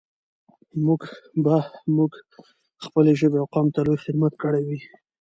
به موږ خپلې ژبې او قوم ته لوى خدمت کړى وي.